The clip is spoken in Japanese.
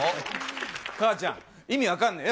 母ちゃん、意味分かんねえよ。